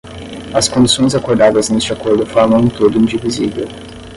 As condições acordadas neste acordo formam um todo indivisível.